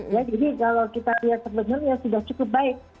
jadi kalau kita lihat sebenarnya sudah cukup baik